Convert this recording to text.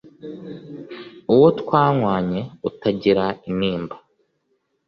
uwo twanywanye utagira intimba.